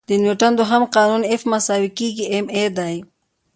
د نیوټن دوهم قانون F=ma دی.